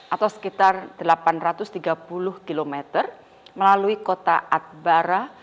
atau sekitar delapan ratus tiga puluh km melalui kota atbara